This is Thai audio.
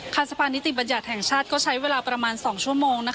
สะพานนิติบัญญัติแห่งชาติก็ใช้เวลาประมาณ๒ชั่วโมง